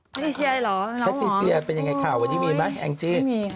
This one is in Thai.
พนิเซียเป็นอย่างไรข่าวอันยุ่งนี้มีไหมเอ็งจี่